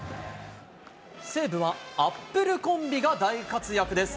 西武はアップルコンビが大活躍です。